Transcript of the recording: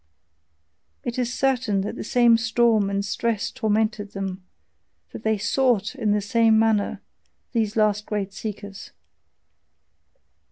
It is certain that the same storm and stress tormented them, that they SOUGHT in the same manner, these last great seekers!